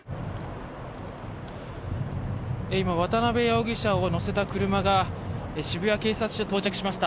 今、渡邉容疑者を乗せた車が渋谷警察署に到着しました。